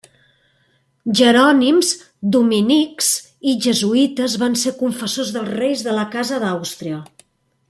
Jerònims, dominics i jesuïtes van ser confessors dels reis de la Casa d'Àustria.